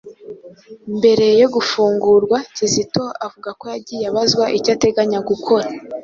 Mbere yo gufungurwa, Kizito avuga ko yagiye abazwa icyo ateganya gukora